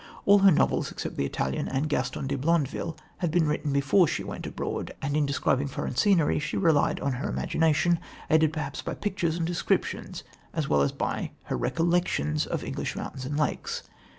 All her novels, except The Italian and Gaston de Blondeville, had been written before she went abroad, and in describing foreign scenery she relied on her imagination, aided perhaps by pictures and descriptions as well as by her recollections of English mountains and lakes.